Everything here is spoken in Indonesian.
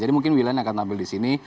jadi mungkin willian akan tampil di sini